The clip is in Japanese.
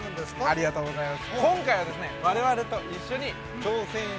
ありがとうございます。